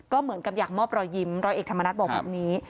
ก็เหมือนกับอยากมอบรอยยิ้มร้อยเอกธรรมนัฐบอกแบบนี้